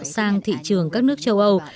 sang thị trường các nước châu âu